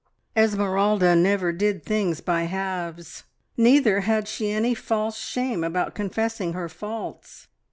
Esmeralda never did things by halves; neither had she any false shame about confessing her faults.